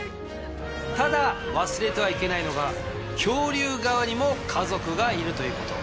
ただ忘れてはいけないのが恐竜側にも家族がいるということ。